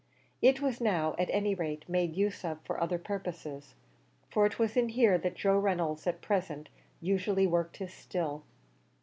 It was now at any rate made use of for other purposes, for it was in here that Joe Reynolds at present usually worked his still.